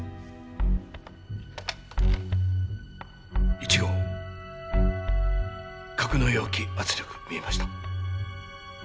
１号格納容器圧力見えました。